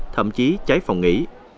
thậm chí cháy phòng nghỉ